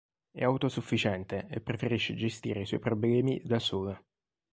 È autosufficiente e preferisce gestire i suoi problemi da sola.